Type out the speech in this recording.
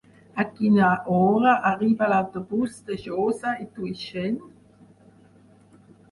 A quina hora arriba l'autobús de Josa i Tuixén?